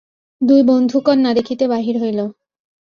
দুই বন্ধু কন্যা দেখিতে বাহির হইল।